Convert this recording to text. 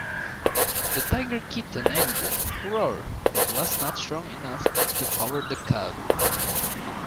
The "Tiger Kitten" engine roared but was not strong enough to power the Cub.